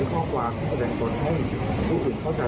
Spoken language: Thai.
บริกาลักษณ์แล้วนะฮะ